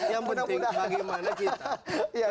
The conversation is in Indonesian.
yang penting bagaimana kita